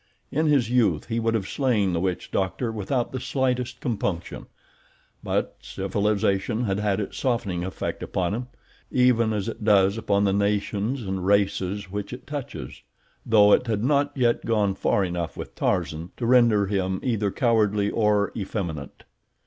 In his youth he would have slain the witch doctor without the slightest compunction; but civilization had had its softening effect upon him even as it does upon the nations and races which it touches, though it had not yet gone far enough with Tarzan to render him either cowardly or effeminate.